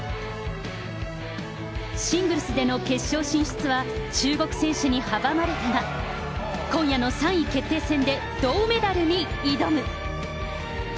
シングルスでの決勝進出は中国選手に阻まれたが、今夜の３位決定戦で銅メダルに挑む。